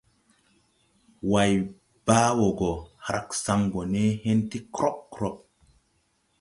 Way baa wɔ gɔ, hrag saŋ gɔ ne hen tii krɔb krɔb.